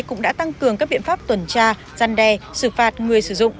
cũng đã tăng cường các biện pháp tuần tra gian đe xử phạt người sử dụng